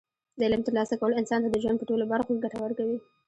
د علم ترلاسه کول انسان ته د ژوند په ټولو برخو کې ګټه ورکوي.